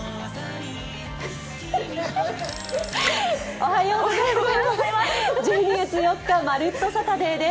おはようございます。